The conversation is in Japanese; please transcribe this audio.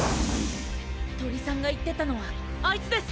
・鳥さんが言ってたのはあいつです！